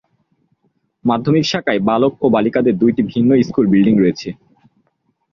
মাধ্যমিক শাখায় বালক ও বালিকাদের দুইটি ভিন্ন স্কুল বিল্ডিং রয়েছে।